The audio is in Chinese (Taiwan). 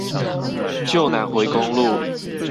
舊南迴公路